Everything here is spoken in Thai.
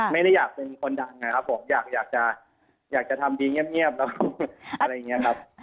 ไม่ได้อยากเป็นคนดังนะครับผมอยากจะอยากจะทำดีเงียบแล้วก็อะไรอย่างนี้ครับ